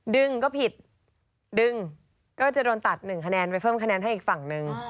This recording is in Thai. ดึงก็ผิดดึงก็จะโดนตัดหนึ่งคะแนนไปเพิ่มคะแนนให้อีกฝั่งหนึ่ง